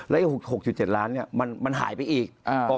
แล้วอีก๖๗ล้านมันหายไปอีก